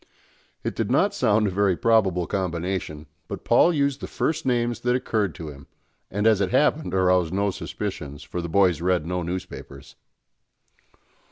It did not sound a very probable combination; but Paul used the first names that occurred to him, and, as it happened, aroused no suspicions, for the boys read no newspapers.